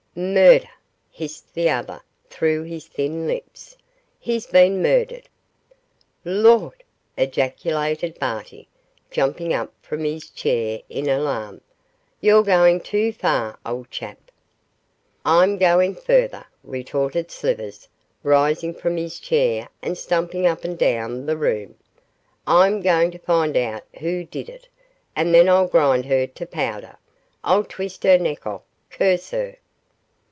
'Murder!' hissed the other through his thin lips. 'He's been murdered!' 'Lord!' ejaculated Barty, jumping up from his chair in alarm; 'you're going too far, old chap.' 'I'm going further,' retorted Slivers, rising from his chair and stumping up and down the room; 'I'm going to find out who did it, and then I'll grind her to powder; I'll twist her neck off, curse her.